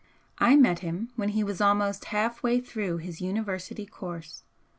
I met him when he was almost half way through his University course.